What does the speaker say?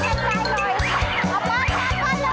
อยู่แล้วสิครับไปเร็ว